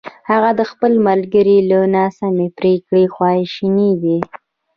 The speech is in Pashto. هغه د خپل ملګري له ناسمې پرېکړې خواشینی دی!